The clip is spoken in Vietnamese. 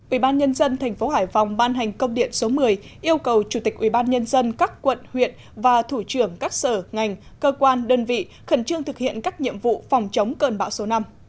ubnd tp hải phòng ban hành công điện số một mươi yêu cầu chủ tịch ubnd các quận huyện và thủ trưởng các sở ngành cơ quan đơn vị khẩn trương thực hiện các nhiệm vụ phòng chống cơn bão số năm